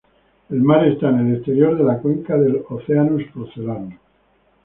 El mar está en el exterior de la cuenca del Oceanus Procellarum.